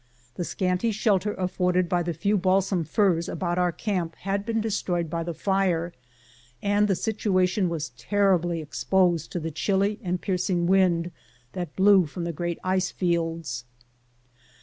The scanty shelter afforded by the few balsam firs about our camp had been destroyed by the fire, and the situation was terribly exposed to the chilly and piercing wind that blew from the great ice fields.